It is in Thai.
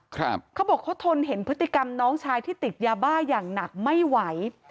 เขาบอกเขาทนเห็นพฤติกรรมน้องชายที่ติดยาบ้าอย่างหนักไม่ไหว